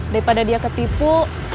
daripada dia ketipu